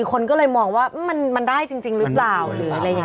คนก็เลยหรือเปล่าหรืออะไรอย่างนี้